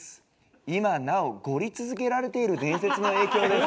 今なおゴリ続けられている伝説の影響です」